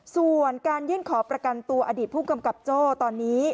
ส่วนการยื่นขอประกันตัวอดีตผู้กำกับโจ้ตอนนี้